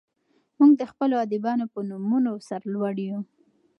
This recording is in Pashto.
موږ د خپلو ادیبانو په نومونو سر لوړي یو.